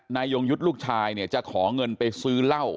นายยงยุทธ์ลูกชายจะขอเงินไปซื้อเหล้า